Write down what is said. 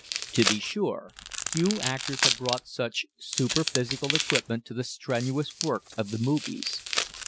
To be sure, few actors have brought such super physical equipment to the strenuous work of the movies.